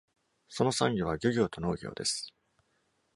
その産業は、漁業と農業です。